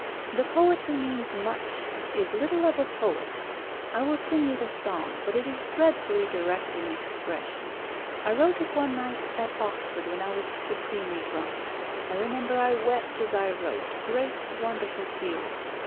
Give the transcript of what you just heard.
The poet who means much is little of a poet. I will sing you the song; but it is dreadfully direct in expression. I wrote it one night at Oxford when I was supremely drunk. I remember I wept as I wrote, great, wonderful tears.